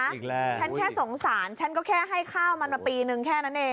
อีกแล้วฉันแค่สงสารฉันก็แค่ให้ข้าวมันมาปีนึงแค่นั้นเอง